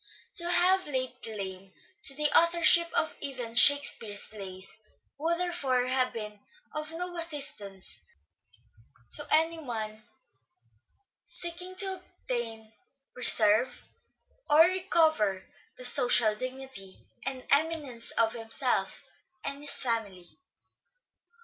To have laid claim to the authorship of even " Shakespeare's " plays would therefore have been of no assistance to any man seeking to obtain, preserve, or recover the social dignity and eminence of himself and his family.